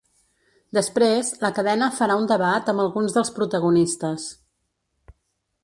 Després, la cadena farà un debat amb alguns dels protagonistes.